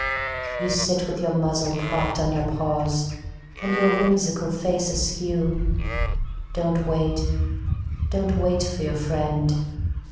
You sit with your muzzle propped on your paws, And your whimsical face askew. Don't wait, don't wait for your friend